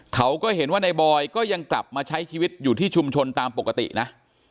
เขาก็เห็นว่าในบอยก็ยังกลับมาใช้ชีวิตอยู่ที่ชุมชนตามปกตินะ